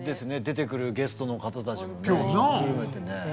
出てくるゲストの方たちもねひっくるめてね。